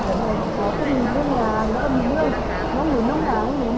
กระทั่งตอนที่อยู่ที่โรงพยาบาลก็อย่างงาน